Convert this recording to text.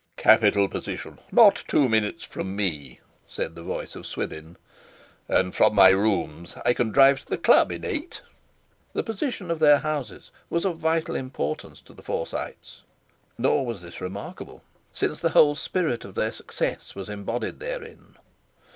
"Capital position, not two minutes from me," said the voice of Swithin, "and from my rooms I can drive to the Club in eight." The position of their houses was of vital importance to the Forsytes, nor was this remarkable, since the whole spirit of their success was embodied therein.